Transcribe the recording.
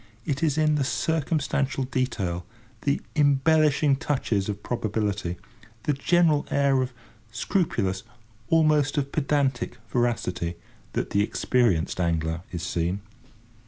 It is in the circumstantial detail, the embellishing touches of probability, the general air of scrupulous—almost of pedantic—veracity, that the experienced angler is seen.